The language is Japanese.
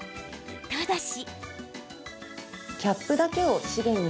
ただし。